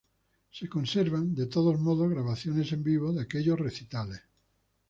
Se conservan, de todos modos, grabaciones en vivo de aquellos recitales.